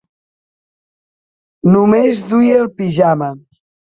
Només duia el pijama.